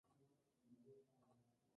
Joe Cocker!